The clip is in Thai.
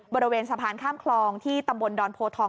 บริเวณสะพานข้ามคลองที่ตำบลดอนโพทอง